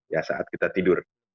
ya saat kita tidur